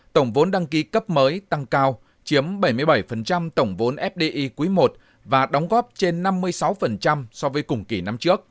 tổng vốn đăng ký cấp mới tăng cao chiếm bảy mươi bảy tổng vốn fdi quý i và đóng góp trên năm mươi sáu so với cùng kỳ năm trước